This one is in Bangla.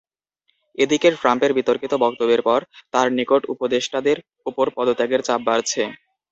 এদিকে ট্রাম্পের বিতর্কিত বক্তব্যের পর তাঁর নিকট উপদেষ্টাদের ওপর পদত্যাগের চাপ বাড়ছে।